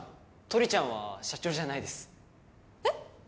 トリちゃんは社長じゃないですえっ？